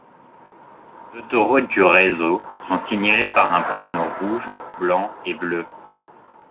Les autoroutes du réseau sont signalées par un panneau rouge, blanc et bleu.